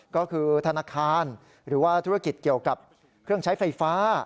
ก็คือธนาคารหรือว่าธุรกิจเกี่ยวกับเครื่องใช้ไฟฟ้า